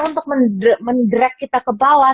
untuk mendrac kita ke bawah